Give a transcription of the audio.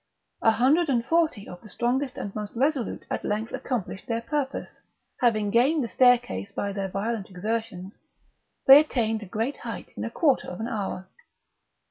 A hundred and forty of the strongest and most resolute at length accomplished their purpose; having gained the staircase by their violent exertions, they attained a great height in a quarter of an hour.